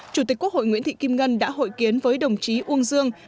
chủ tịch quốc hội nguyễn thị kim ngân đã hội kiến với đồng chí uông dương